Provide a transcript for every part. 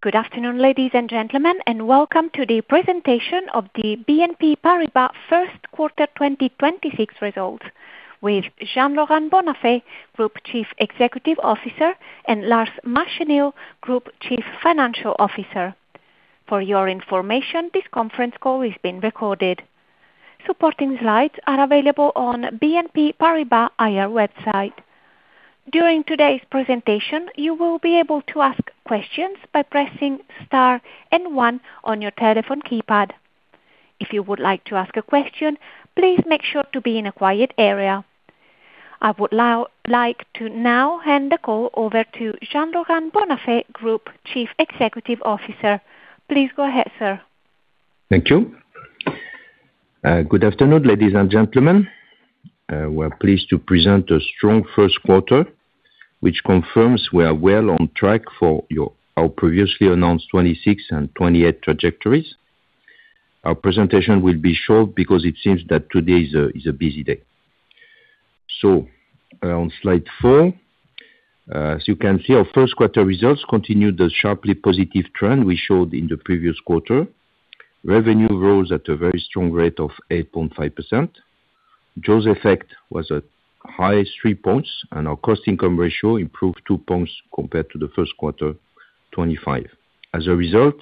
Good afternoon, ladies and gentlemen, and welcome to the presentation of the BNP Paribas first quarter 2026 results with Jean-Laurent Bonnafé, Group Chief Executive Officer, and Lars Machenil, Group Chief Financial Officer. I would now like to hand the call over to Jean-Laurent Bonnafé, Group Chief Executive Officer. Please go ahead, sir. Thank you. Good afternoon, ladies and gentlemen. We're pleased to present a strong first quarter, which confirms we are well on track for our previously announced 2026 and 2028 trajectories. Our presentation will be short because it seems that today is a busy day. On slide 4, you can see our first quarter results continued the sharply positive trend we showed in the previous quarter. Revenue rose at a very strong rate of 8.5%. FX effect was at highest three points, and our cost income ratio improved point points compared to the first quarter 2025. As a result,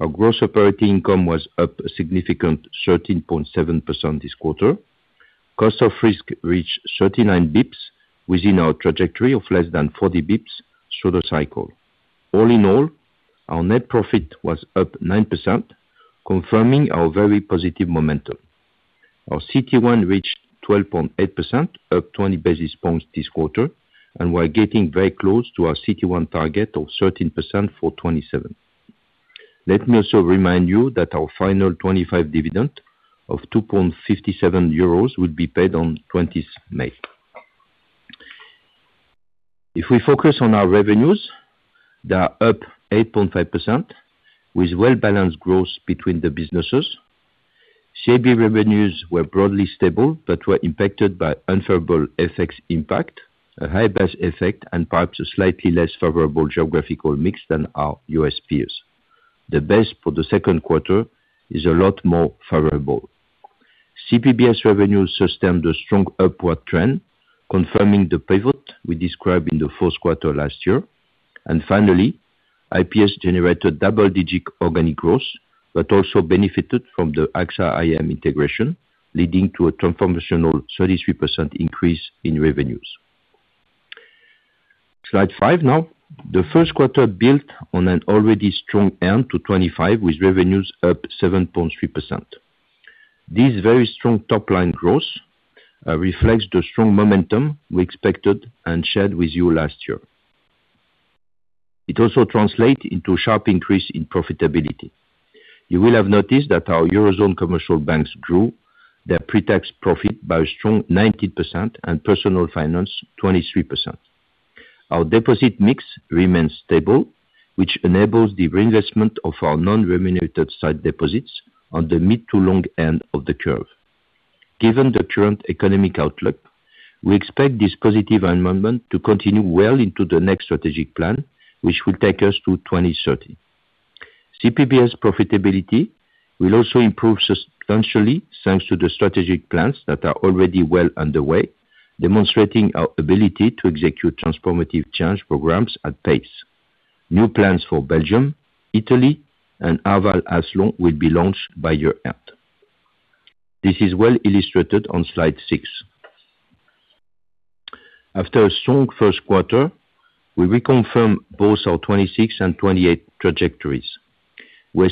our gross operating income was up a significant 13.7% this quarter. Cost of risk reached 39 bps within our trajectory of less than 40 bps through the cycle. All in all, our net profit was up 9%, confirming our very positive momentum. Our CET1 reached 12.8%, up 20 basis points this quarter, and we're getting very close to our CET1 target of 13% for 2027. Let me also remind you that our final 2025 dividend of 2.57 euros will be paid on 20th May. If we focus on our revenues, they are up 8.5% with well-balanced growth between the businesses. CIB revenues were broadly stable but were impacted by unfavorable FX impact, a high base effect, and perhaps a slightly less favorable geographical mix than our U.S. peers. The base for the second quarter is a lot more favorable. CPBS revenue sustained a strong upward trend, confirming the pivot we described in the fourth quarter last year. Finally, IPS generated double-digit organic growth, but also benefited from the AXA IM integration, leading to a transformational 33% increase in revenues. Slide 5 now. The first quarter built on an already strong end to 2025, with revenues up 7.3%. This very strong top-line growth reflects the strong momentum we expected and shared with you last year. It also translate into sharp increase in profitability. You will have noticed that our Eurozone commercial banks grew their pre-tax profit by a strong 19% and Personal Finance, 23%. Our deposit mix remains stable, which enables the reinvestment of our non-remunerated sight deposits on the mid to long end of the curve. Given the current economic outlook, we expect this positive environment to continue well into the next strategic plan, which will take us to 2030. CPBS profitability will also improve substantially, thanks to the strategic plans that are already well underway, demonstrating our ability to execute transformative change programs at pace. New plans for Belgium, Italy, and Arval/Athlon will be launched by year end. This is well illustrated on slide six. After a strong first quarter, we reconfirm both our 2026 and 2028 trajectories. This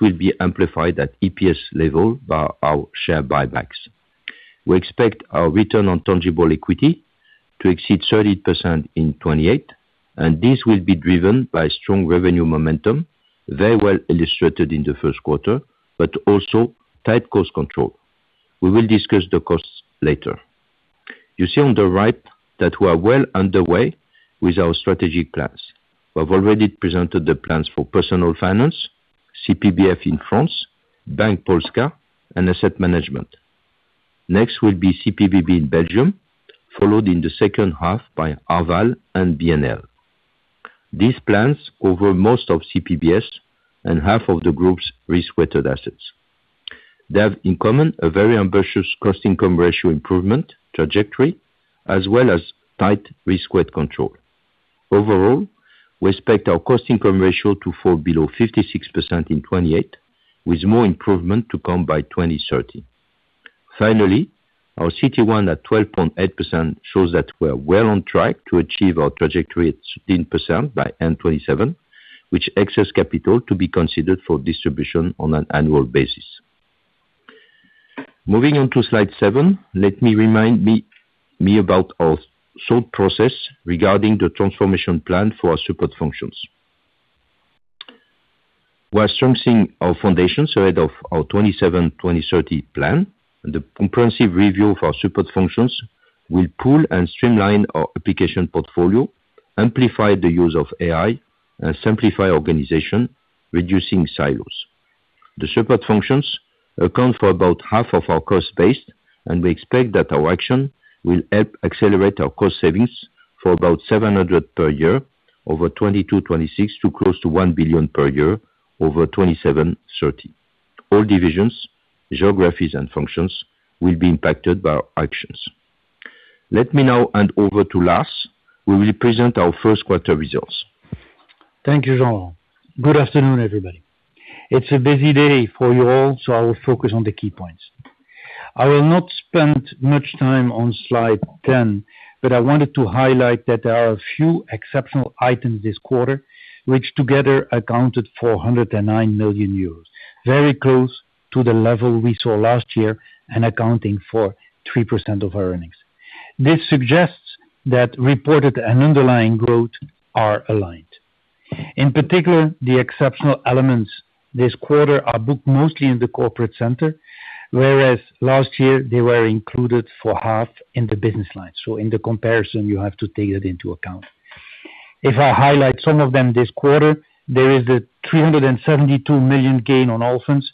will be amplified at EPS level by our share buybacks. We expect more than 10% earning growth CAGR over 2025, 2028. We expect our return on tangible equity to exceed 30% in 2028. This will be driven by strong revenue momentum, very well illustrated in the first quarter, but also tight cost control. We will discuss the costs later. You see on the right that we are well underway with our strategic plans. We have already presented the plans for personal finance, CPBF in France, Bank Polska, and asset management. Next will be CPBB in Belgium, followed in the second half by Arval and BNL. These plans cover most of CPBS and half of the group's risk-weighted assets. They have in common a very ambitious cost income ratio improvement trajectory, as well as tight risk weight control. Overall, we expect our cost income ratio to fall below 56% in 2028, with more improvement to come by 2030. Finally, our CET1 at 12.8% shows that we are well on track to achieve our trajectory at 13% by end 2027, which excess capital to be considered for distribution on an annual basis. Moving on to slide 7, let me remind me about our thought process regarding the transformation plan for our support functions. We are strengthening our foundations ahead of our 2027/2030 plan. The comprehensive review of our support functions will pool and streamline our application portfolio, amplify the use of AI, and simplify organization, reducing silos. The support functions account for about half of our cost base. We expect that our action will help accelerate our cost savings for about 700 million per year over 2022-2026 to close to 1 billion per year over 2027-2030. All divisions, geographies, and functions will be impacted by our actions. Let me now hand over to Lars, who will present our first quarter results. Thank you, Jean. Good afternoon, everybody. It's a busy day for you all, so I will focus on the key points. I will not spend much time on slide 10, but I wanted to highlight that there are a few exceptional items this quarter, which together accounted for 109 million euros, very close to the level we saw last year and accounting for 3% of our earnings. This suggests that reported and underlying growth are aligned. In particular, the exceptional elements this quarter are booked mostly in the corporate center, whereas last year they were included for half in the business line. In the comparison, you have to take that into account. If I highlight some of them this quarter, there is a 372 million gain on [Allfunds]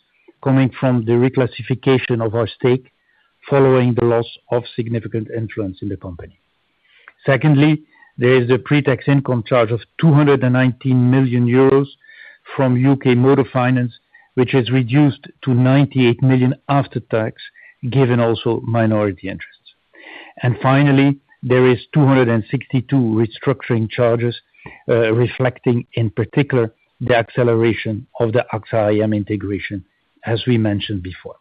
coming from the reclassification of our stake following the loss of significant influence in the company. Secondly, there is a pre-tax income charge of 219 million euros from U.K. Motor Finance, which is reduced to 98 million after tax, given also minority interests. Finally, there is 262 million restructuring charges, reflecting, in particular, the acceleration of the AXA IM integration, as we mentioned before.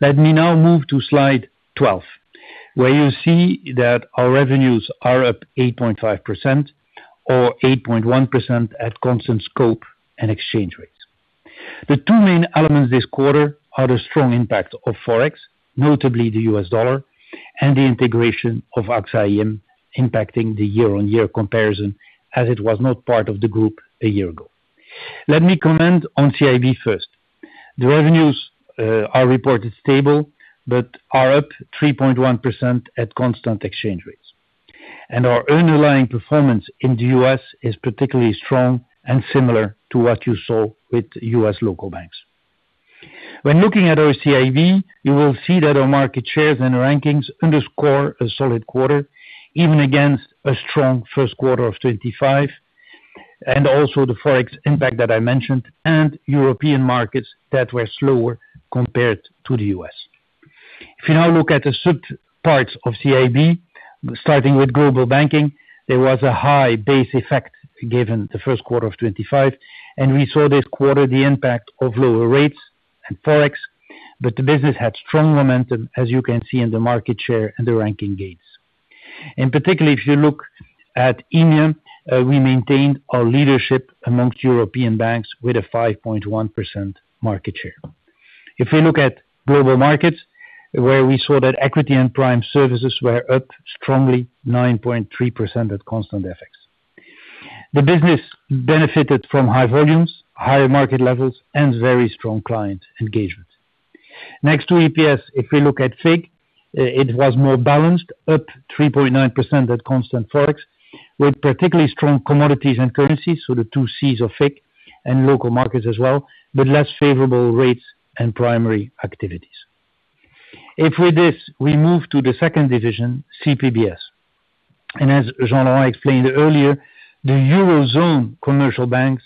Let me now move to slide 12, where you see that our revenues are up 8.5% or 8.1% at constant scope and exchange rates. The two main elements this quarter are the strong impact of Forex, notably the U.S. dollar, and the integration of AXA IM impacting the year-on-year comparison as it was not part of the group a year ago. Let me comment on CIB first. The revenues are reported stable but are up 3.1% at constant exchange rates. Our underlying performance in the U.S. is particularly strong and similar to what you saw with U.S. local banks. Looking at CIB, you will see that our market shares and rankings underscore a solid quarter, even against a strong first quarter of 2025, also the Forex impact that I mentioned, and European markets that were slower compared to the U.S. If you now look at the sub-parts of CIB, starting with Global Banking, there was a high base effect given the first quarter of 2025, we saw this quarter the impact of lower rates and Forex, but the business had strong momentum, as you can see in the market share and the ranking gains. Particularly, if you look at India, we maintain our leadership amongst European banks with a 5.1% market share. We look at Global Markets, where we saw that Equity and Prime Services were up strongly 9.3% at constant effects. The business benefited from high volumes, higher market levels, and very strong client engagement. Next to EPS, if we look at FICC, it was more balanced, up 3.9% at constant Forex, with particularly strong commodities and currencies, so the 2 Cs of FICC and local markets as well, but less favorable rates and primary activities. If with this, we move to the second division, CPBS, and as Jean explained earlier, the Eurozone commercial banks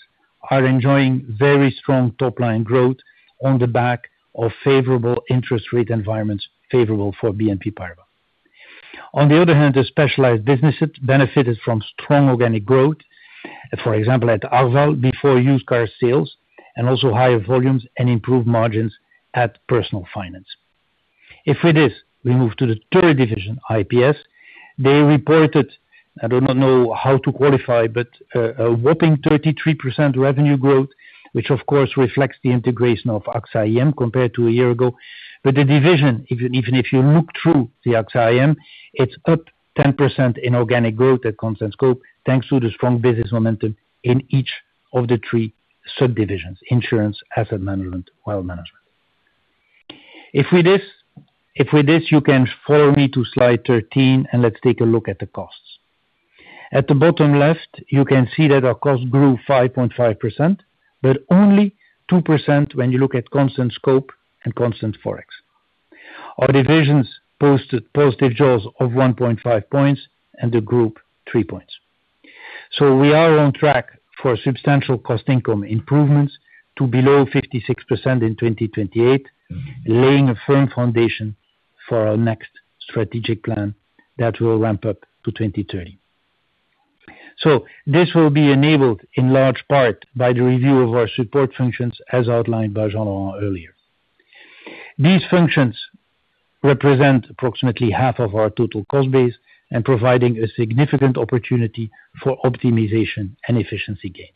are enjoying very strong top-line growth on the back of favorable interest rate environments, favorable for BNP Paribas. On the other hand, the specialized businesses benefited from strong organic growth, for example, at Arval, before used car sales, and also higher volumes and improved margins at Personal Finance. If with this, we move to the third division, IPS, they reported, I do not know how to qualify, but a whopping 33% revenue growth, which of course reflects the integration of AXA IM compared to a year ago. The division, even if you look through the AXA IM, it's up 10% in organic growth at constant scope, thanks to the strong business momentum in each of the 3 subdivisions: insurance, asset management, wealth management. If with this, you can follow me to slide 13, let's take a look at the costs. At the bottom left, you can see that our cost grew 5.5%, only 2% when you look at constant scope and constant Forex. Our divisions posted positive jaws of 1.5 points and the group 3 points. We are on track for substantial cost income improvements to below 56% in 2028, laying a firm foundation for our next strategic plan that will ramp up to 2030. This will be enabled in large part by the review of our support functions, as outlined by Jean earlier. These functions represent approximately half of our total cost base and providing a significant opportunity for optimization and efficiency gains.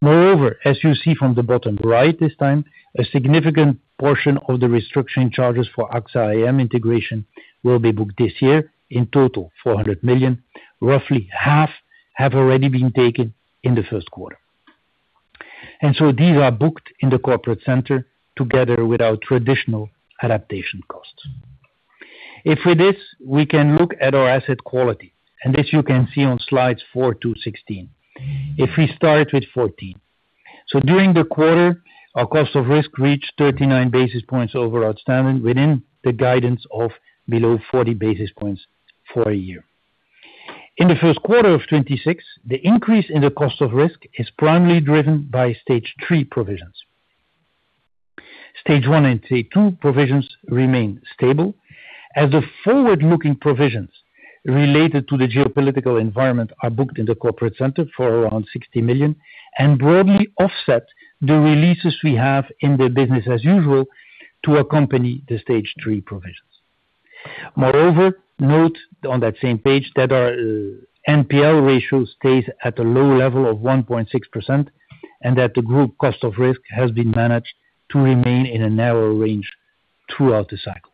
Moreover, as you see from the bottom right this time, a significant portion of the restructuring charges for AXA IM integration will be booked this year in total, 400 million. Roughly half have already been taken in the first quarter. These are booked in the corporate center together with our traditional adaptation costs. If with this, we can look at our asset quality, and this you can see on slides 4 to 16. If we start with 14. During the quarter, our cost of risk reached 39 basis points over outstanding within the guidance of below 40 basis points for a year. In the first quarter of 2026, the increase in the cost of risk is primarily driven by stage three provisions. Stage 1 and stage 2 provisions remain stable as the forward-looking provisions related to the geopolitical environment are booked in the corporate center for around 60 million and broadly offset the releases we have in the business as usual to accompany the stage 3 provisions. Moreover, note on that same page that our NPL ratio stays at a low level of 1.6%, and that the group cost of risk has been managed to remain in a narrow range throughout the cycle.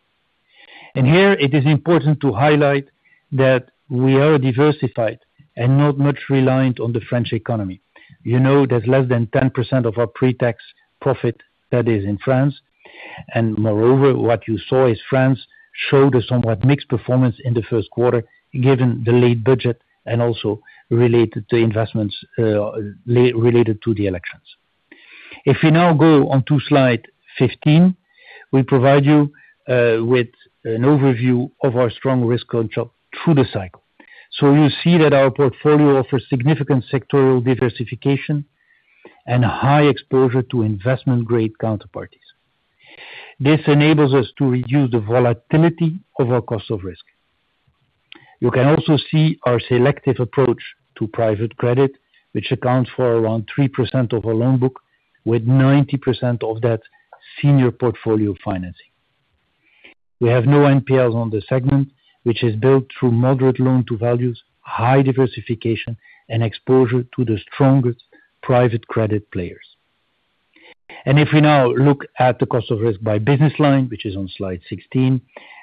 Here it is important to highlight that we are diversified and not much reliant on the French economy. You know that less than 10% of our pre-tax profit that is in France. Moreover, what you saw is France showed a somewhat mixed performance in the 1st quarter, given the late budget and also related to investments, related to the elections. If you now go on to slide 15, we provide you with an overview of our strong risk control through the cycle. You see that our portfolio offers significant sectoral diversification and high exposure to investment-grade counterparties. This enables us to reduce the volatility of our cost of risk. You can also see our selective approach to private credit, which accounts for around 3% of our loan book, with 90% of that senior portfolio financing. We have no NPLs on this segment, which is built through moderate loan to values, high diversification, and exposure to the strongest private credit players. If we now look at the cost of risk by business line, which is on slide 16,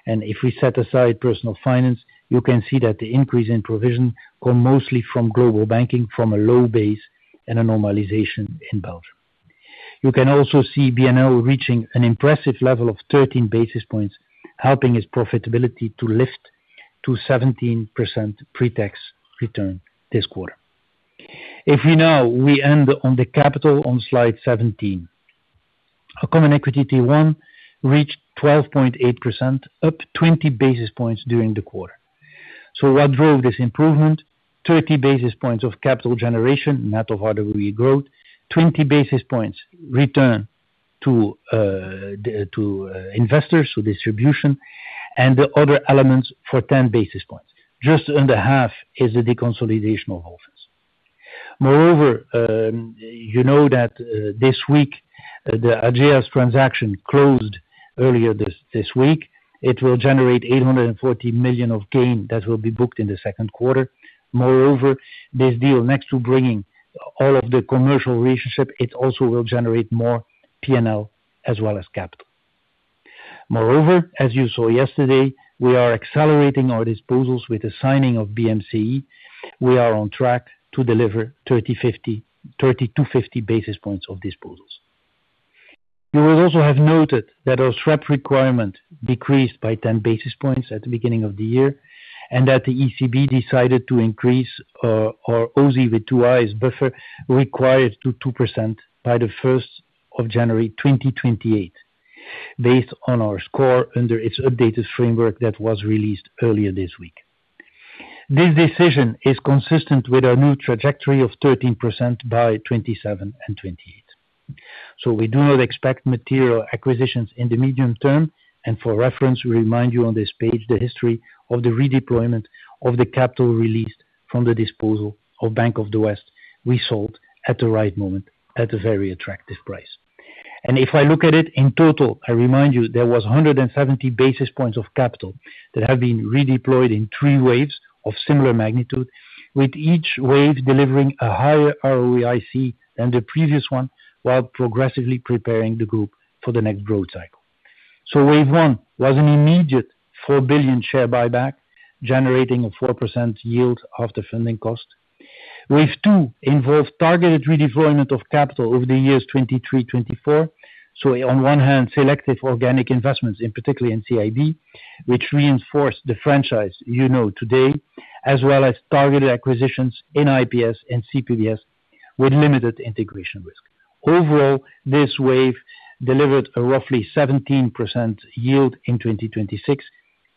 if we set aside Personal Finance, you can see that the increase in provision come mostly from global banking, from a low base and a normalization in Belgium. You can also see BNL reaching an impressive level of 13 basis points, helping its profitability to lift to 17% pre-tax return this quarter. We end on the capital on slide 17. Our common equity T1 reached 12.8%, up 20 basis points during the quarter. What drove this improvement? 30 basis points of capital generation, net of RWA growth, 20 basis points return to investors, so distribution, and the other elements for 10 basis points. Just under half is the deconsolidation of Allfunds. Moreover, you know that this week, the Ageas transaction closed earlier this week. It will generate 840 million of gain that will be booked in the second quarter. Moreover, this deal, next to bringing all of the commercial relationship, it also will generate more P&L as well as capital. Moreover, as you saw yesterday, we are accelerating our disposals with the signing of BMCI. We are on track to deliver 30 to 50 basis points of disposals. You will also have noted that our SREP requirement decreased by 10 basis points at the beginning of the year, and that the ECB decided to increase our O-SII buffer required to 2% by January 1, 2028, based on our score under its updated framework that was released earlier this week. This decision is consistent with our new trajectory of 13% by 2027 and 2028. We do not expect material acquisitions in the medium term. For reference, we remind you on this page the history of the redeployment of the capital released from the disposal of Bank of the West we sold at the right moment at a very attractive price. If I look at it in total, I remind you there was 170 basis points of capital that have been redeployed in three waves of similar magnitude, with each wave delivering a higher ROIC than the previous one, while progressively preparing the group for the next growth cycle. Wave one was an immediate 4 billion share buyback, generating a 4% yield after funding cost. Wave two involved targeted redeployment of capital over the years 2023, 2024. On one hand, selective organic investments, in particular in CIB, which reinforced the franchise you know today, as well as targeted acquisitions in IPS and CPBS with limited integration risk. Overall, this wave delivered a roughly 17% yield in 2026,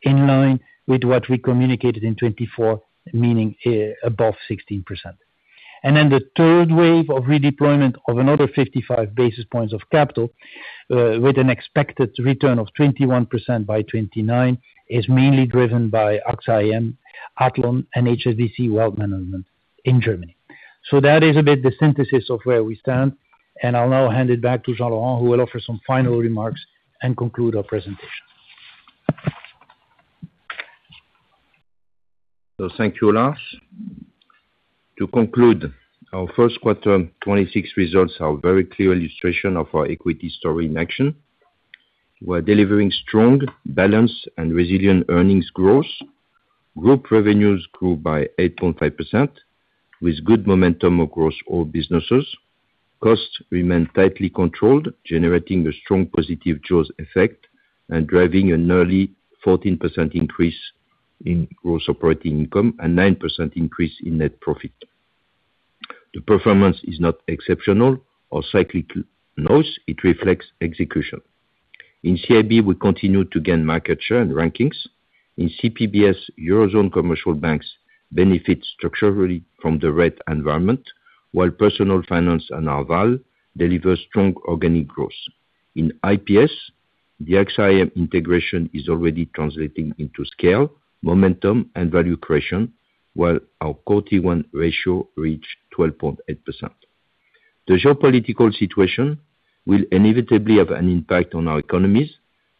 in line with what we communicated in 2024, meaning, above 16%. The third wave of redeployment of another 55 basis points of capital, with an expected return of 21% by 2029, is mainly driven by AXA IM, Athlon, and HSBC Wealth Management in Germany. That is a bit the synthesis of where we stand, and I'll now hand it back to Jean-Laurent, who will offer some final remarks and conclude our presentation. Thank you, Lars. To conclude, our first quarter 2026 results are a very clear illustration of our equity story in action. We're delivering strong balance and resilient earnings growth. Group revenues grew by 8.5% with good momentum across all businesses. Costs remain tightly controlled, generating a strong positive cost income ratio effect and driving an early 14% increase in gross operating income and 9% increase in net profit. The performance is not exceptional or cyclical noise. It reflects execution. In CIB, we continue to gain market share and rankings. In CPBS, Eurozone commercial banks benefit structurally from the rate environment, while personal finance and Arval deliver strong organic growth. In IPS, the AXA IM integration is already translating into scale, momentum and value creation, while our core tier 1 ratio reached 12.8%. The geopolitical situation will inevitably have an impact on our economies,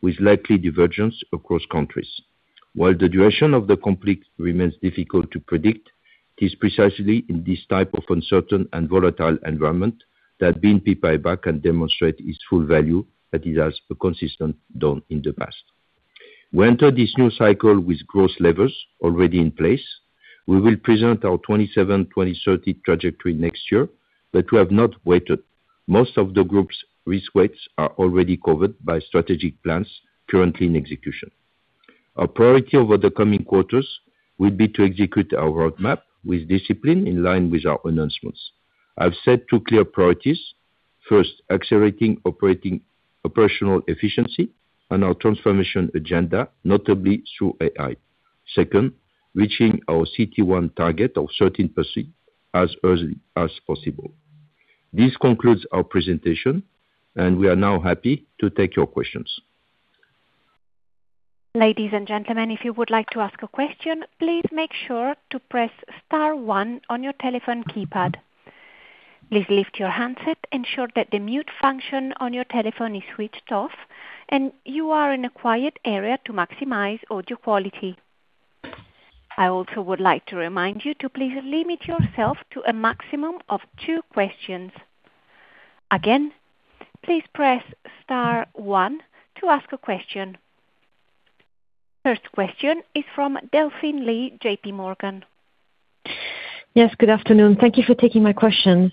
with likely divergence across countries. While the duration of the conflict remains difficult to predict, it is precisely in this type of uncertain and volatile environment that BNP Paribas can demonstrate its full value that it has consistently done in the past. We enter this new cycle with growth levers already in place. We will present our 27, 2030 trajectory next year that we have not waited. Most of the group's risk weights are already covered by strategic plans currently in execution. Our priority over the coming quarters will be to execute our roadmap with discipline in line with our announcements. I've set two clear priorities. First, accelerating operational efficiency and our transformation agenda, notably through AI. Second, reaching our CET1 target of 13% as early as possible. This concludes our presentation. We are now happy to take your questions. Ladies and gentlemen, if you would like to ask a question, please make sure to press star one on your telephone keypad. Please lift your handset, ensure that the mute function on your telephone is switched off, and you are in a quiet area to maximize audio quality. I also would like to remind you to please limit yourself to a maximum of two questions. Again, please press star one to ask a question. First question is from Delphine Lee, JPMorgan. Yes, good afternoon. Thank you for taking my questions.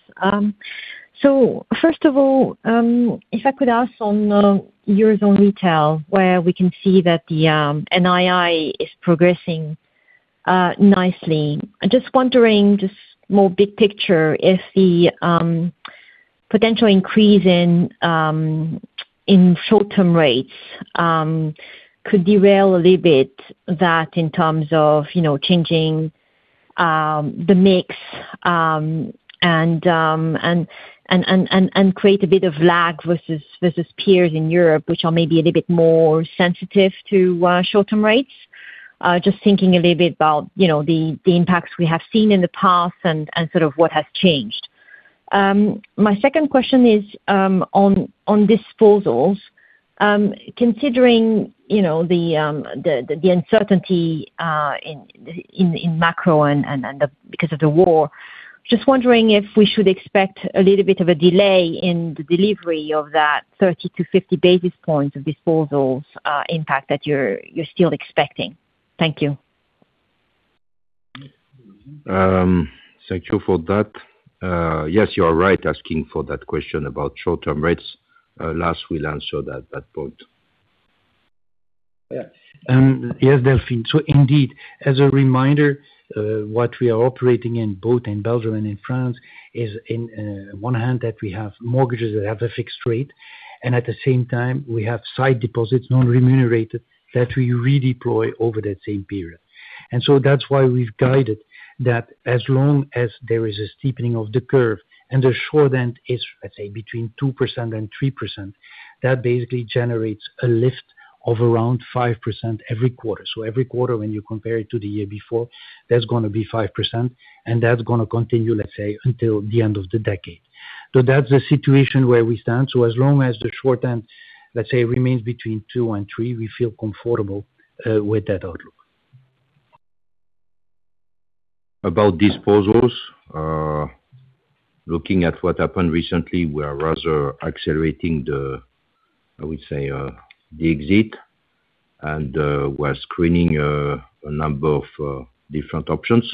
First of all, if I could ask on the Eurozone retail, where we can see that the NII is progressing nicely. Just wondering, just more big picture, if the potential increase in short-term rates could derail a little bit that in terms of, you know, changing the mix and create a bit of lag versus peers in Europe, which are maybe a little bit more sensitive to short-term rates. Just thinking a little bit about, you know, the impacts we have seen in the past and sort of what has changed. My second question is on disposals. Considering, you know, the uncertainty in macro and because of the war, just wondering if we should expect a little bit of a delay in the delivery of that 30 to 50 basis points of disposals, impact that you're still expecting. Thank you. Thank you for that. Yes, you are right asking for that question about short-term rates. Lars will answer that point. Yes, Delphine. Indeed, as a reminder, what we are operating in both in Belgium and in France is in one hand that we have mortgages that have a fixed rate, and at the same time we have side deposits, non-remunerated, that we redeploy over that same period. That's why we've guided that as long as there is a steepening of the curve and the short end is, let's say, between 2% and 3%, that basically generates a lift of around 5% every quarter. Every quarter when you compare it to the year before, that's gonna be 5%, and that's gonna continue, let's say, until the end of the decade. That's the situation where we stand. As long as the short end, let's say, remains between 2% and 3%, we feel comfortable with that outlook. About disposals, looking at what happened recently, we are rather accelerating the, I would say, the exit and we're screening a number of different options.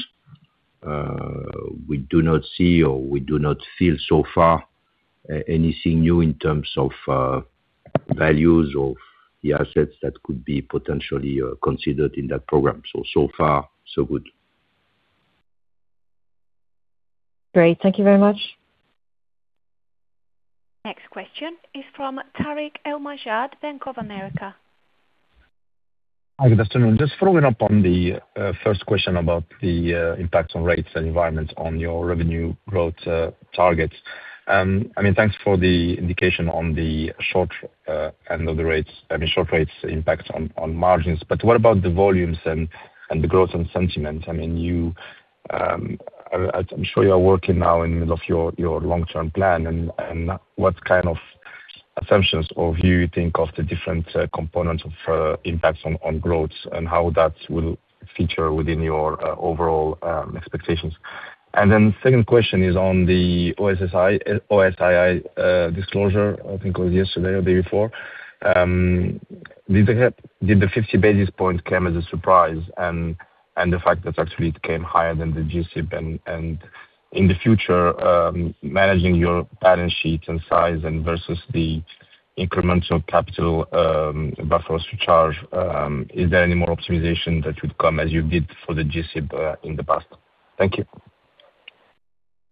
We do not see or we do not feel so far anything new in terms of values of the assets that could be potentially considered in that program. So far, so good. Great. Thank you very much. Next question is from Tarik El Mejjad, Bank of America. Hi, good afternoon. Just following up on the first question about the impact on rates and environment on your revenue growth targets. I mean, thanks for the indication on the short end of the rates, I mean, short rates impact on margins. What about the volumes and the growth and sentiment? I mean, I'm sure you are working now in the middle of your long-term plan and what kind of assumptions or view you think of the different components of impacts on growth and how that will feature within your overall expectations. Second question is on the O-SII disclosure, I think it was yesterday or day before. Did the 50 basis points came as a surprise, and the fact that actually it came higher than the G-SIB? In the future, managing your balance sheet and size and versus the incremental capital, buffers charge, is there any more optimization that would come as you did for the G-SIB, in the past? Thank you.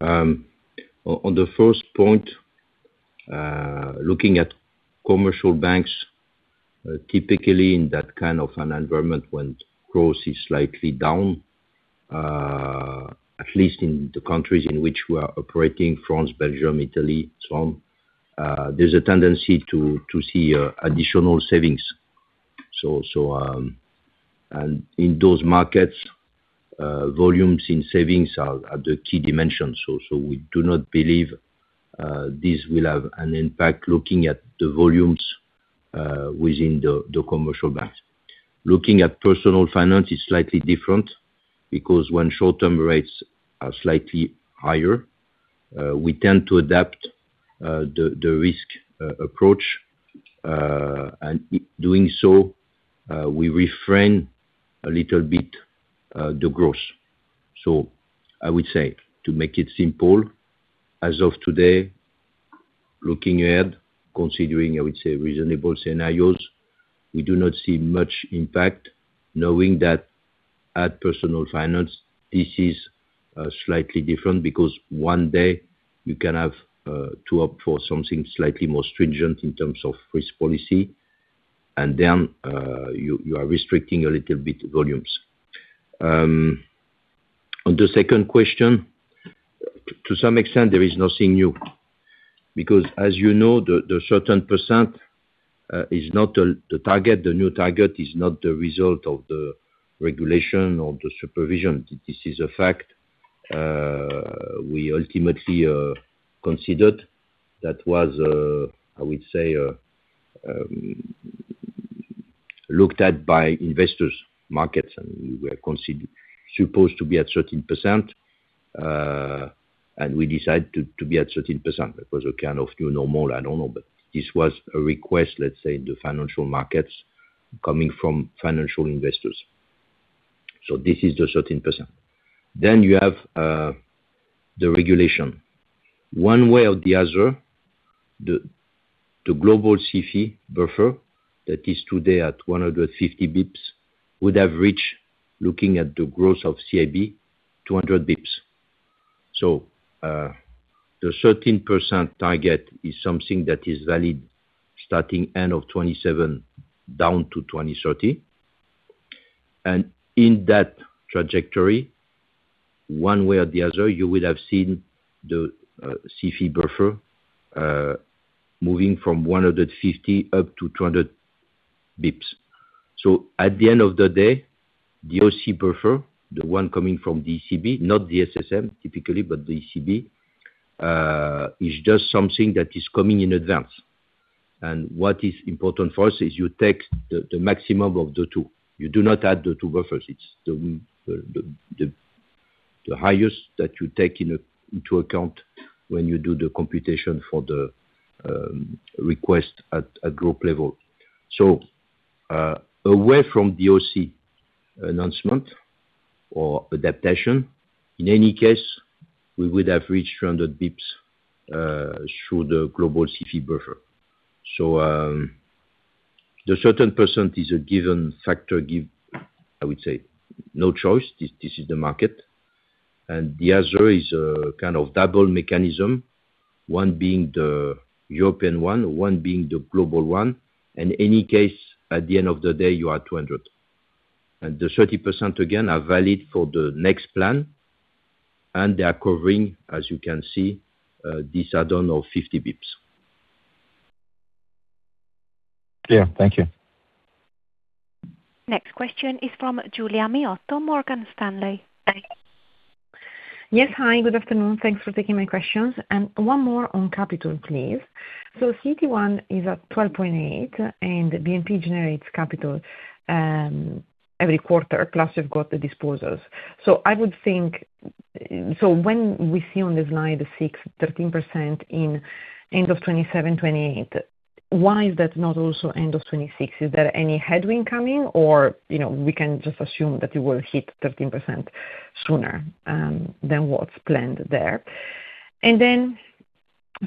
On the first point, looking at commercial banks, typically in that kind of an environment when growth is slightly down, at least in the countries in which we are operating, France, Belgium, Italy, so on, there's a tendency to see additional savings. In those markets, volumes in savings are the key dimensions. We do not believe this will have an impact looking at the volumes within the commercial banks. Looking at Personal Finance is slightly different because when short-term rates are slightly higher, we tend to adapt the risk approach. In doing so, we restrain a little bit the growth. I would say to make it simple, as of today, looking ahead, considering I would say reasonable scenarios, we do not see much impact knowing that at personal finance this is slightly different because one day you can have to opt for something slightly more stringent in terms of risk policy, and then you are restricting a little bit volumes. On the second question, to some extent there is nothing new, because as you know, the certain percent is not the target. The new target is not the result of the regulation or the supervision. This is a fact, we ultimately considered that was, I would say, looked at by investors markets, and we were supposed to be at 13%, and we decided to be at 13%. It was a kind of new normal, I don't know. This was a request, let's say, in the financial markets coming from financial investors. This is the 13%. You have the regulation. One way or the other, the global [CE] buffer that is today at 150 basis points would have reached, looking at the growth of CIB, 200 basis points. The 13% target is something that is valid starting end of 2027 down to 2030. In that trajectory, one way or the other, you will have seen the CE buffer moving from 150 up to 200 basis points. At the end of the day, the O-SII buffer, the one coming from the ECB, not the SSM typically, but the ECB, is just something that is coming in advance. What is important for us is you take the maximum of the two. You do not add the two buffers. It's the highest that you take into account when you do the computation for the request at group level. Away from the O-SII announcement or adaptation, in any case, we would have reached 100 basis points through the global CET1 buffer. The certain percent is a given factor, I would say, no choice. This is the market. The other is a kind of double mechanism, one being the European one being the global one. In any case, at the end of the day, you are 200. The 30% again are valid for the next plan, and they are covering, as you can see, this add-on of 50 basis points. Yeah. Thank you. Next question is from Giulia Aurora Miotto, Morgan Stanley. Yes. Hi, good afternoon. Thanks for taking my questions. One more on capital, please. CET1 is at 12.8, BNP generates capital every quarter, plus you've got the disposals. When we see on this slide the 6%, 13% in end of 2027, 2028, why is that not also end of 2026? Is there any headwind coming or, you know, we can just assume that it will hit 13% sooner than what's planned there?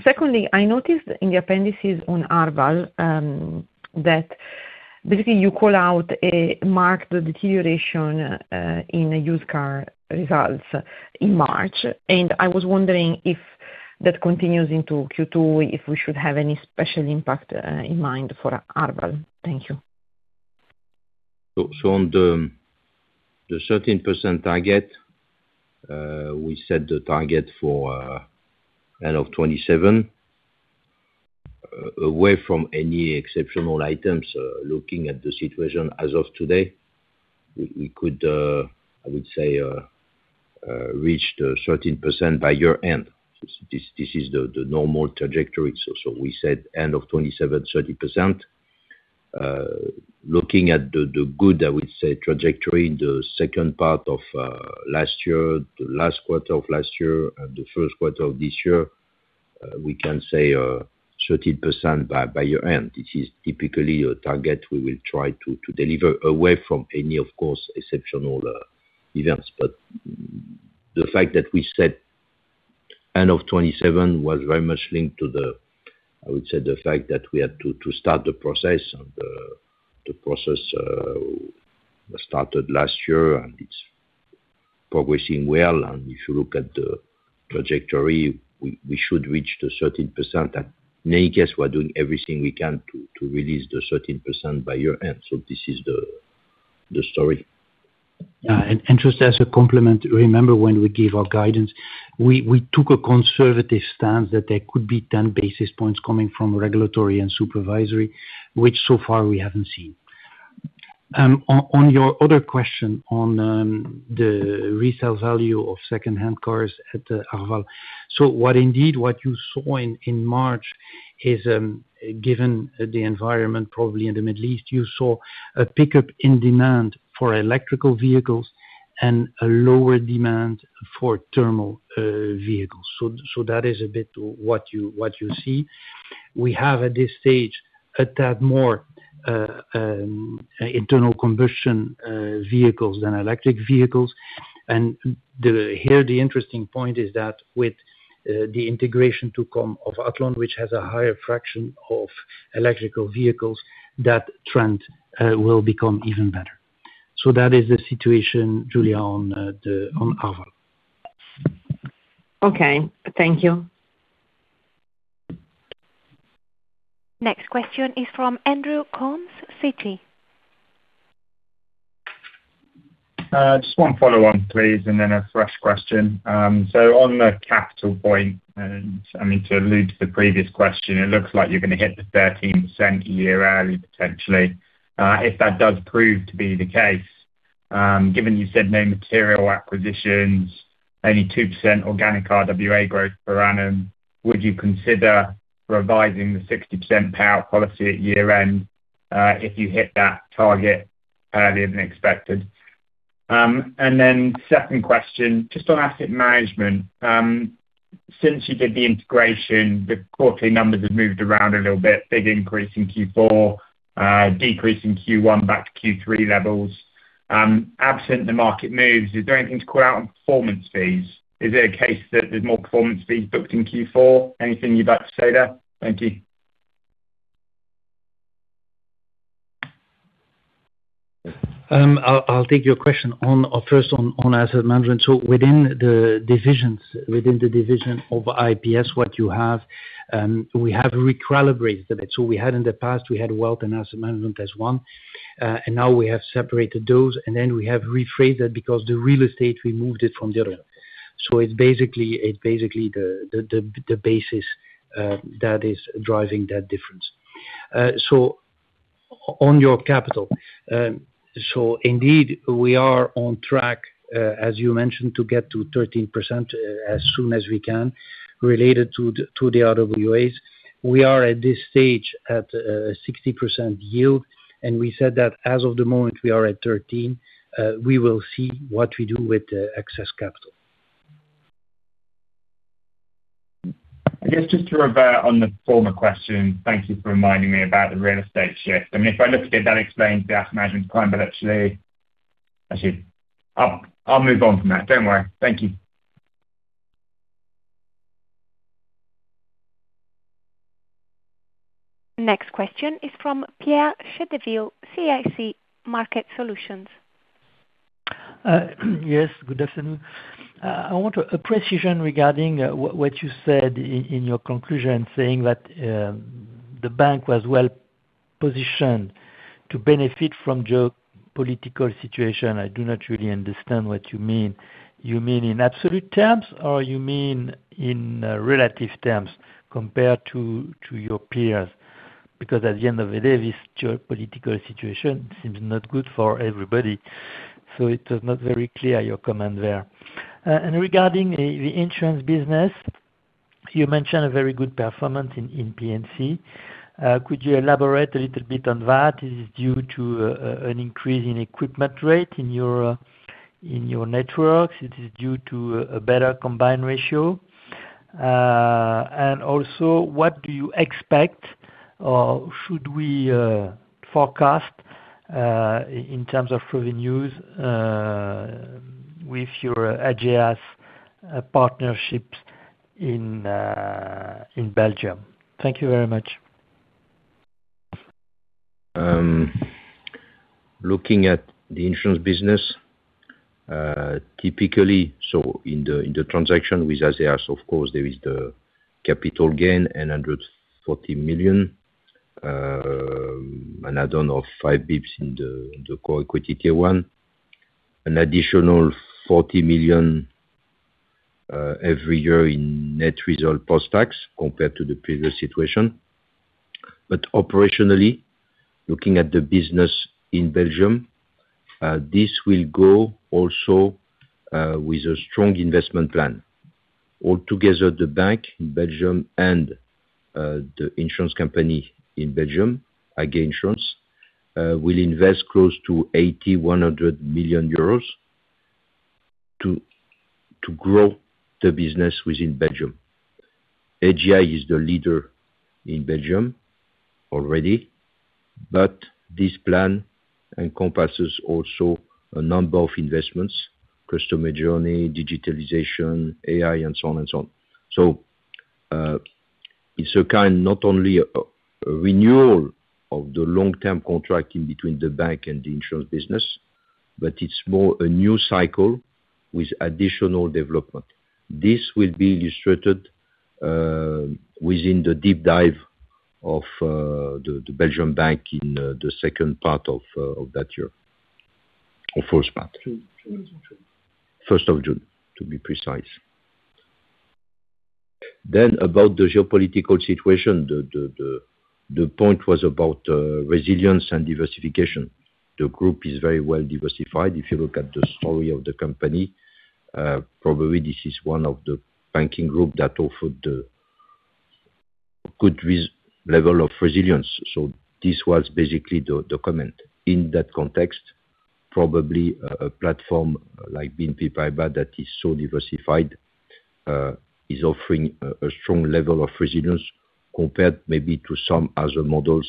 Secondly, I noticed in the appendices on Arval that basically you call out a marked deterioration in a used car results in March, I was wondering if that continues into Q2, if we should have any special impact in mind for Arval. Thank you. On the 13% target, we set the target for end of 2027. Away from any exceptional items, looking at the situation as of today, we could, I would say, reach the 13% by year-end. This is the normal trajectory. We said end of 2027, 30%. Looking at the good, I would say, trajectory, the second part of last year, the last quarter of last year and the first quarter of this year, we can say 13% by year-end. This is typically a target we will try to deliver away from any, of course, exceptional events. The fact that we said end of 2027 was very much linked to the, I would say, the fact that we had to start the process. The process started last year, and it's progressing well. If you look at the trajectory, we should reach the 13%. In any case, we are doing everything we can to release the 13% by year-end. This is the story. Just as a complement, remember when we gave our guidance, we took a conservative stance that there could be 10 basis points coming from regulatory and supervisory, which so far we haven't seen. On your other question on the resale value of secondhand cars at Arval. What indeed, you saw in March is, given the environment probably in the Middle East, you saw a pickup in demand for electric vehicles and a lower demand for thermal vehicles. That is a bit what you see. We have, at this stage, a tad more internal combustion vehicles than electric vehicles. Here the interesting point is that with the integration to come of Athlon, which has a higher fraction of electric vehicles, that trend will become even better. That is the situation, Giulia, on, the, on Arval. Okay. Thank you. Next question is from Andrew Coombs, Citi. Just one follow on, please, and then a fresh question. On the capital point, and I mean to allude to the previous question, it looks like you're going to hit the 13% year early, potentially. If that does prove to be the case, given you said no material acquisitions, only 2% organic RWA growth per annum, would you consider revising the 60% payout policy at year-end, if you hit that target earlier than expected? Second question, just on asset management. Since you did the integration, the quarterly numbers have moved around a little bit. Big increase in Q4, decrease in Q1, back to Q3 levels. Absent the market moves, is there anything to call out on performance fees? Is it a case that there's more performance fees booked in Q4? Anything you'd like to say there? Thank you. I'll take your question first on asset management. Within the divisions, within the division of IPS, what you have, we have recalibrated a bit. We had in the past, we had wealth and asset management as one, and now we have separated those, and then we have rephrased that because the real estate, we moved it from the other. It basically the basis that is driving that difference. On your capital. Indeed, we are on track, as you mentioned, to get to 13% as soon as we can, related to the RWAs. We are, at this stage, at 60% yield, and we said that as of the moment we are at 13, we will see what we do with the excess capital. I guess just to revert on the former question, thank you for reminding me about the real estate shift. I mean, if I looked at it, that explains the asset management climb. Actually, I see. I'll move on from that. Don't worry. Thank you. Next question is from Pierre Chédeville, CIC Market Solutions. Yes, good afternoon. I want a precision regarding what you said in your conclusion, saying that the bank was well-positioned to benefit from geopolitical situation. I do not really understand what you mean. You mean in absolute terms or you mean in relative terms compared to your peers? At the end of the day, this geopolitical situation seems not good for everybody. It was not very clear, your comment there. Regarding the insurance business, you mentioned a very good performance in P&C. Could you elaborate a little bit on that? Is it due to an increase in equipment rate in your networks? Is it due to a better combined ratio? What do you expect or should we forecast in terms of revenues with your Ageas partnerships in Belgium? Thank you very much. Looking at the insurance business typically, in the transaction with Ageas, of course, there is the capital gain, 140 million, an add-on of 5 basis points in the core equity tier one. An additional 40 million every year in net result post-tax compared to the previous situation. Looking at the business in Belgium, this will go also with a strong investment plan. All together, the bank in Belgium and the insurance company in Belgium, AG Insurance, will invest close to 80 million-100 million euros to grow the business within Belgium. AG Insurance is the leader in Belgium already, but this plan encompasses also a number of investments, customer journey, digitalization, AI, and so on and so on. It's a kind, not only a renewal of the long-term contracting between the bank and the insurance business, but it's more a new cycle with additional development. This will be illustrated within the deep dive of the Belgium bank in the 2nd part of that year. Or 1st part. June. First of June, to be precise. About the geopolitical situation, the point was about resilience and diversification. The group is very well diversified. If you look at the story of the company, probably this is one of the banking group that offered the good level of resilience. This was basically the comment. In that context, probably a platform like BNP Paribas that is so diversified, is offering a strong level of resilience compared maybe to some other models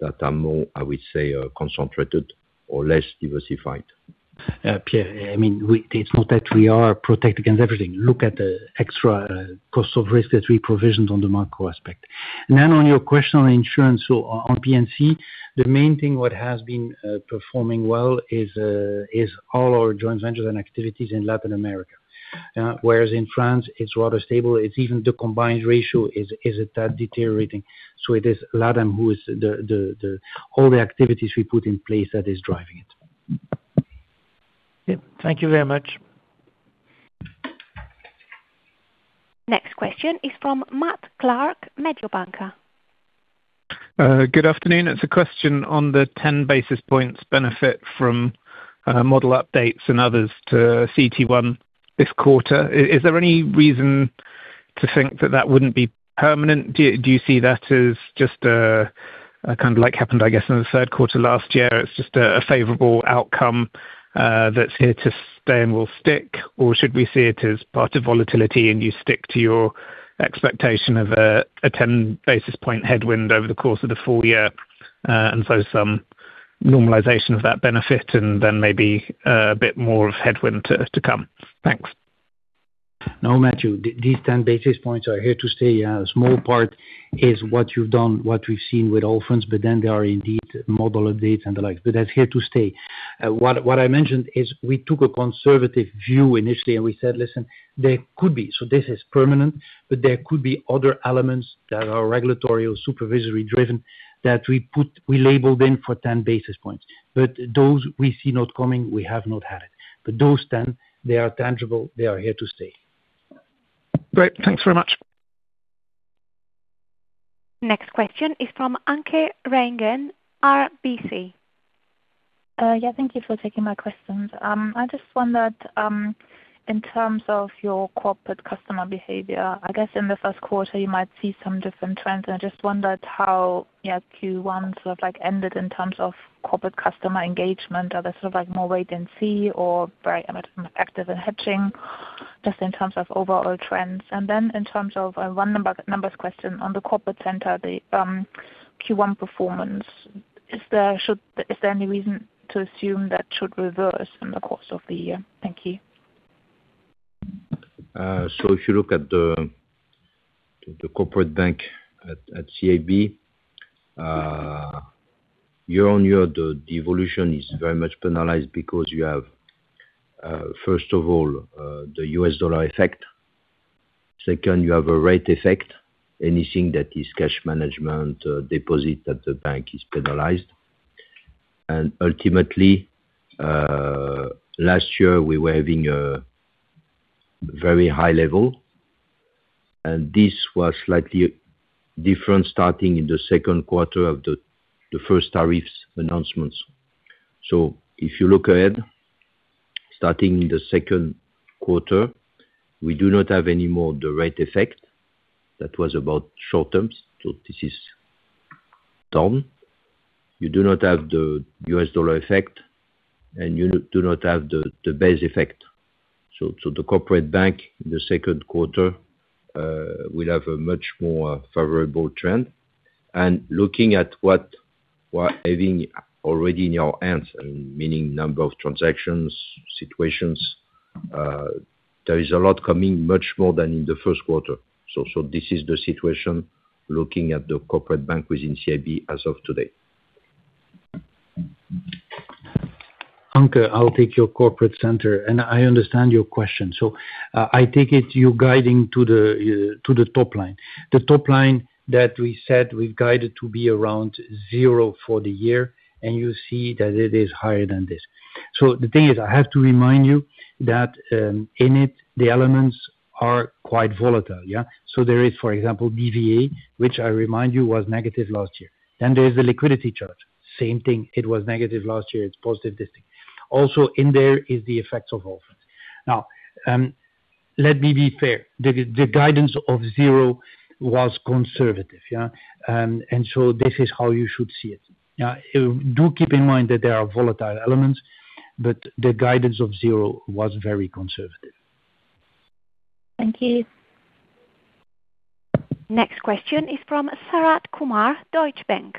that are more, I would say, concentrated or less diversified. Pierre, I mean, it's not that we are protected against everything. Look at the extra cost of risk that we provisioned on the macro aspect. On your question on insurance, so on P&C, the main thing what has been performing well is all our joint ventures and activities in Latin America. Whereas in France, it's rather stable. It's even the combined ratio is that deteriorating. It is LatAm who is the All the activities we put in place that is driving it. Yep. Thank you very much. Next question is from Matthew Clark, Mediobanca. Good afternoon. It's a question on the 10 basis points benefit from model updates and others to CET1 this quarter. Is there any reason to think that that wouldn't be permanent? Do you see that as just a kind of like happened, I guess, in the 3rd quarter last year? It's just a favorable outcome, that's here to stay and will stick, or should we see it as part of volatility and you stick to your expectation of a 10 basis point headwind over the course of the full year, and so some normalization of that benefit and then maybe a bit more of headwind to come? Thanks. No, Matthew, these 10 basis points are here to stay. A small part is what you've done, what we've seen with orphans, there are indeed model updates and the like. That's here to stay. What I mentioned is we took a conservative view initially, and we said, "Listen, there could be." This is permanent, there could be other elements that are regulatory or supervisory driven that we labeled in for 10 basis points. Those we see not coming, we have not had it. Those 10, they are tangible, they are here to stay. Great. Thanks very much. Next question is from Anke Reingen, RBC. Yeah, thank you for taking my questions. I just wondered, in terms of your corporate customer behavior, I guess in the first quarter, you might see some different trends, and I just wondered how, yeah, Q1 sort of like ended in terms of corporate customer engagement. Are there sort of like more wait and see or very active in hedging, just in terms of overall trends? Then in terms of one number, numbers question on the Corporate Center, the Q1 performance, is there any reason to assume that should reverse in the course of the year? Thank you. If you look at the corporate bank at CIB, year on year, the devolution is very much penalized because you have, first of all, the US dollar effect. Second, you have a rate effect. Anything that is cash management, deposit at the bank is penalized. Ultimately, last year, we were having a very high level, and this was slightly different starting in the second quarter of the first tariffs announcements. If you look ahead, starting the second quarter, we do not have any more the rate effect. That was about short terms. This is done. You do not have the US dollar effect, and you do not have the base effect. The corporate bank in the second quarter will have a much more favorable trend. Looking at what we're having already in our hands, meaning number of transactions, situations, there is a lot coming, much more than in the first quarter. This is the situation looking at the corporate bank within CIB as of today. Anke, I'll take your corporate center. I understand your question. I take it you're guiding to the top line. The top line that we said we've guided to be around zero for the year. You see that it is higher than this. The thing is, I have to remind you that in it, the elements are quite volatile. There is, for example, [CVA], which I remind you was negative last year. There is the liquidity charge. Same thing, it was negative last year, it's positive this year. Also in there is the effects of Allfunds. Let me be fair. The guidance of zero was conservative. This is how you should see it. Do keep in mind that there are volatile elements. The guidance of zero was very conservative. Thank you. Next question is from Sharath Kumar, Deutsche Bank.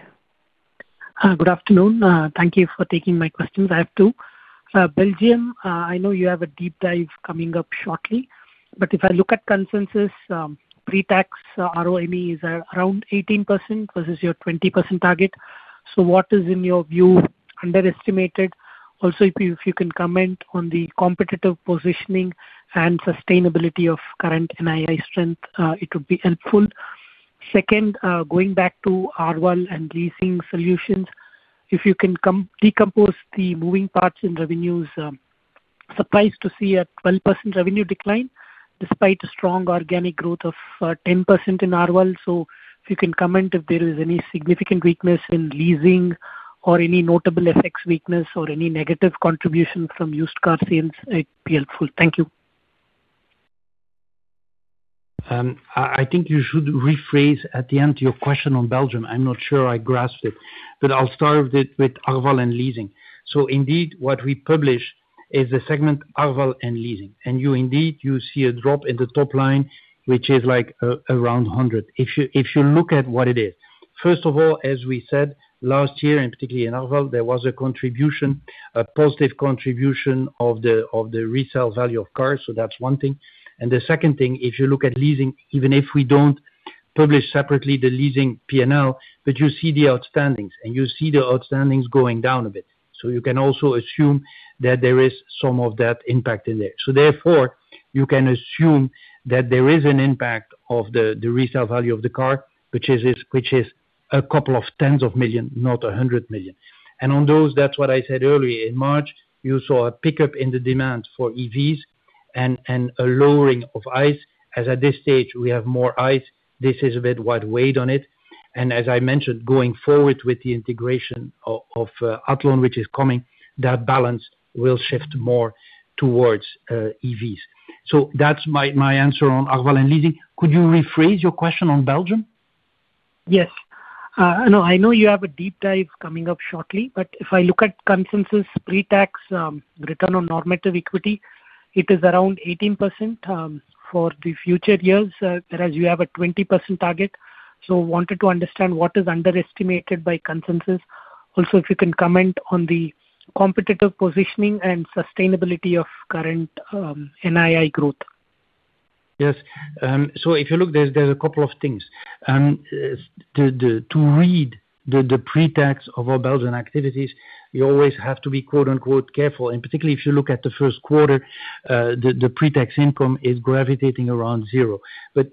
Good afternoon. Thank you for taking my questions. I have two. Belgium, I know you have a deep dive coming up shortly, but if I look at consensus, pre-tax RONE is around 18% versus your 20% target. What is, in your view, underestimated? If you can comment on the competitive positioning and sustainability of current NII strength, it would be helpful. Second, going back to Arval and leasing solutions, if you can decompose the moving parts in revenues. Surprised to see a 12% revenue decline despite a strong organic growth of 10% in Arval. If you can comment if there is any significant weakness in leasing or any notable FX weakness or any negative contribution from used car sales, it'd be helpful. Thank you. I think you should rephrase at the end your question on Belgium. I'm not sure I grasped it. I'll start with Arval and leasing. Indeed what we publish is the segment, Arval and leasing, and you indeed, you see a drop in the top line, which is like, around 100. If you look at what it is, first of all, as we said last year, and particularly in Arval, there was a contribution, a positive contribution of the, of the resale value of cars. The second thing, if you look at leasing, even if we don't publish separately the leasing P&L, you see the outstandings, and you see the outstandings going down a bit. You can also assume that there is some of that impact in there. Therefore, you can assume that there is an impact of the resale value of the car, which is a couple of tens of million, not 100 million. On those, that's what I said earlier, in March, you saw a pickup in the demand for EVs and a lowering of ICEs, as at this stage we have more ICE, this is a bit what weighed on it. As I mentioned, going forward with the integration of Athlon, which is coming, that balance will shift more towards EVs. That's my answer on Arval and leasing. Could you rephrase your question on Belgium? Yes. I know you have a deep dive coming up shortly, if I look at consensus pre-tax, Return on Notional Equity, it is around 18%, for the future years, whereas you have a 20% target. Wanted to understand what is underestimated by consensus. Also, if you can comment on the competitive positioning and sustainability of current NII growth. Yes. If you look, there's a couple of things. To read the pre-tax of our Belgian activities, you always have to be quote-unquote, careful. Particularly if you look at the first quarter, the pre-tax income is gravitating around zero.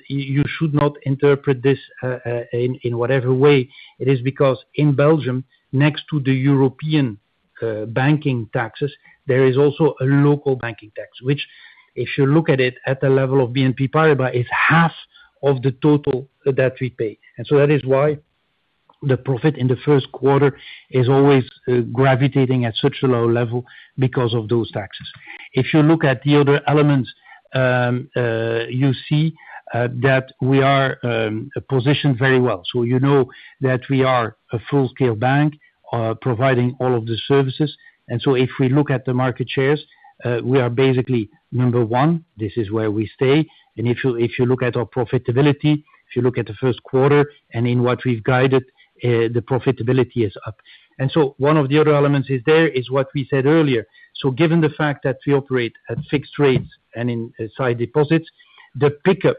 You should not interpret this in whatever way it is because in Belgium next to the European banking taxes, there is also a local banking tax, which if you look at it at the level of BNP Paribas, is half of the total that we pay. That is why the profit in the first quarter is always gravitating at such a low level because of those taxes. If you look at the other elements, you see that we are positioned very well. You know that we are a full-scale bank, providing all of the services. If we look at the market shares, we are basically number one. This is where we stay. If you, if you look at our profitability, if you look at the 1st quarter and in what we've guided, the profitability is up. One of the other elements is there is what we said earlier. Given the fact that we operate at fixed rates and in side deposits, the pickup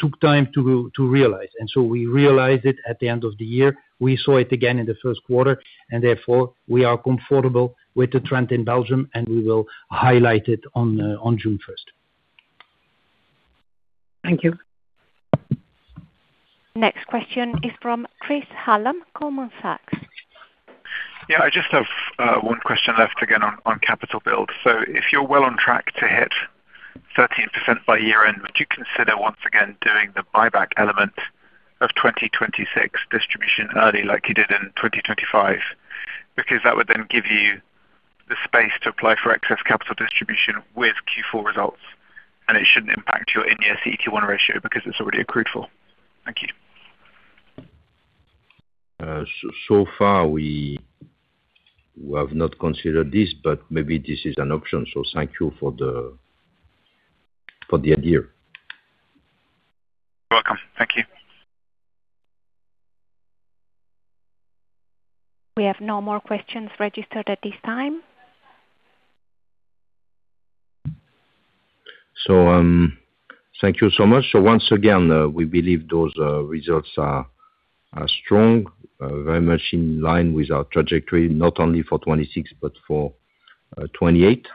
took time to realize, and so we realized it at the end of the year. We saw it again in the 1st quarter, and therefore we are comfortable with the trend in Belgium, and we will highlight it on June 1st. Thank you Next question is from Chris Hallam, Goldman Sachs. Yeah, I just have one question left again on capital build. If you're well on track to hit 13% by year-end, would you consider once again doing the buyback element of 2026 distribution early like you did in 2025? That would then give you the space to apply for excess capital distribution with Q4 results, and it shouldn't impact your in-year CET1 ratio because it's already accrued for. Thank you. So far we have not considered this, but maybe this is an option. Thank you for the, for the idea. You're welcome. Thank you. We have no more questions registered at this time. Thank you so much. Once again, we believe those results are strong, very much in line with our trajectory, not only for 2026 but for 2028.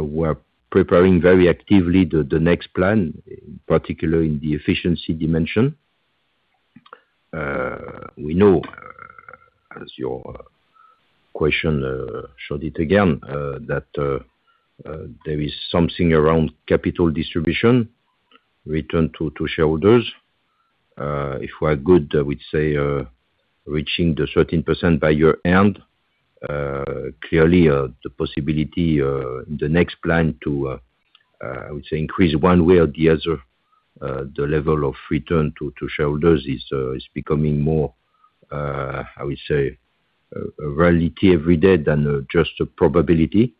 We're preparing very actively the next plan, particularly in the efficiency dimension. We know, as your question showed it again, that there is something around capital distribution, return to shareholders. If we're good, I would say, reaching the 13% by year-end, clearly, the possibility, the next plan to, I would say increase one way or the other, the level of return to shareholders is becoming more, I would say a reality every day than just a probability.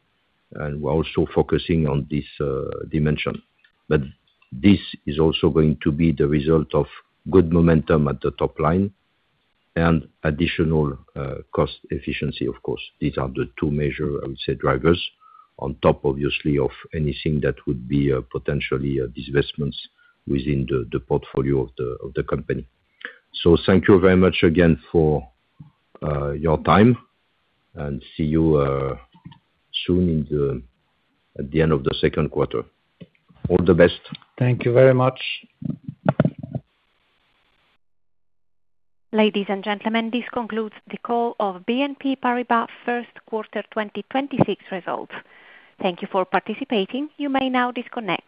We're also focusing on this dimension. This is also going to be the result of good momentum at the top line and additional, cost efficiency, of course. These are the two major, I would say, drivers on top obviously of anything that would be, potentially, divestments within the portfolio of the company. Thank you very much again for your time, and see you soon at the end of the second quarter. All the best. Thank you very much. Ladies and gentlemen, this concludes the call of BNP Paribas first quarter 2026 results. Thank you for participating. You may now disconnect.